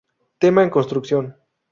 Tema en construcción.